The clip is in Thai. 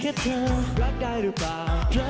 รักได้หรือเปล่าพลักได้หรือเปล่า